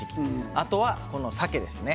あとは、さけですね。